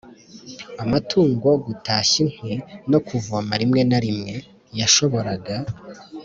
amatungo, gutashya inkwi no kuvoma rimwe na rimwe. Yashoboraga